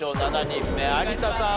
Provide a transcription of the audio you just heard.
７人目有田さん